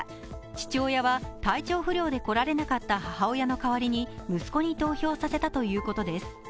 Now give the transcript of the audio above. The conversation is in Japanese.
父親は体調不良で来られなかった母親の代わりに息子に投票させたということです。